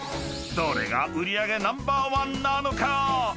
［どれが売り上げナンバーワンなのか？］